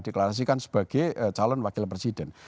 deklarasikan sebagai calon wakil presiden